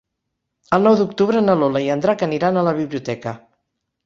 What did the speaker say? El nou d'octubre na Lola i en Drac aniran a la biblioteca.